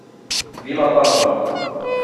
Vila Pavão